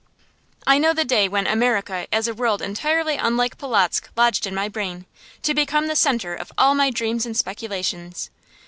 I know the day when "America" as a world entirely unlike Polotzk lodged in my brain, to become the centre of all my dreams and speculations.